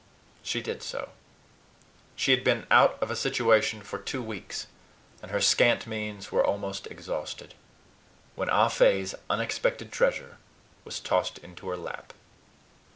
She did so. She had been out of a situation for two months, and her scant means were almost exhausted, when Ah Fe's unexpected treasure was tossed into her lap.